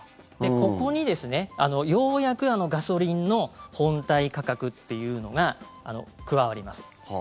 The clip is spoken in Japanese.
ここにようやくガソリンの本体価格というのが加わります。